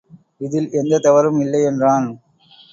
இதில் எந்தத் தவறும் இல்லை என்றான்.